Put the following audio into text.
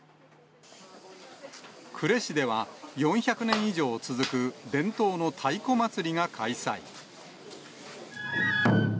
呉市では４００年以上続く伝統の太鼓祭りが開催。